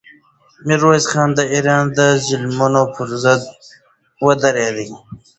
میرویس خان د ایران د ظلمونو پر ضد ودرېدی.